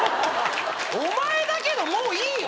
お前だけどもういいよ！